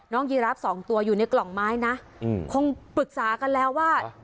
ยีราฟสองตัวอยู่ในกล่องไม้นะคงปรึกษากันแล้วว่า